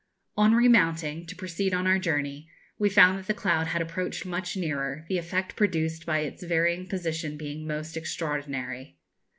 On remounting, to proceed on our journey, we found that the cloud had approached much nearer, the effect produced by its varying position being most extraordinary.